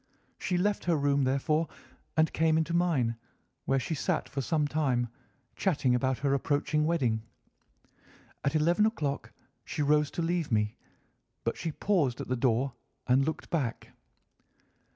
She left her room, therefore, and came into mine, where she sat for some time, chatting about her approaching wedding. At eleven o'clock she rose to leave me, but she paused at the door and looked back.